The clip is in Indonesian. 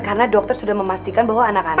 karena dokter sudah memastikan bahwa anak anak